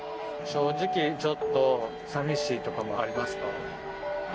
正直ちょっと寂しいとかもありますか？